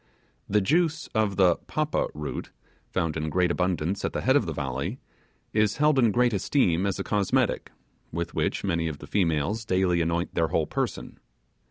The juice of the 'papa' root found in great abundance at the head of the valley, is held in great esteem as a cosmetic, with which many of the females daily anoint their whole person.